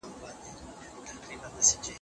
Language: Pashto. تور دانه بې شفا نه ده.